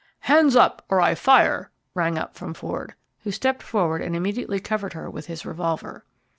"Hands up, or I fire!" rang out from Ford, who stepped forward and immediately covered her with his revolver.